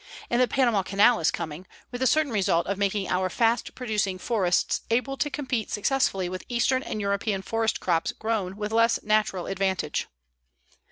_And the Panama Canal is coming, with the certain result of making our fast producing forests able to compete successfully with Eastern and European forest crops grown with less natural advantage.